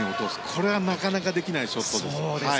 これはなかなかできないショットです。